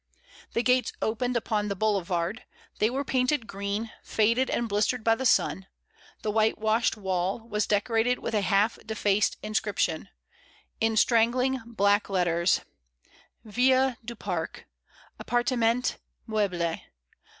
The gates opened upon the boulevard: they were painted green, faded and blistered by the sun; the white washed wall was decorated with a half defaced inscription, in strag gling black letters: — ^Vtila du Pare. Appartement meubli.